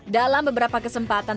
dalam beberapa kesempatan